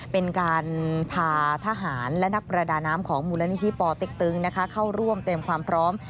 เป็นการพาทหารและนักประดาน้ำของมูลนิธิปอเต็กตึงเข้าร่วมเตรียมความพร้อม